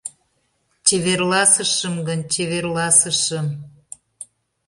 Чеверласышым гын чеверласышым.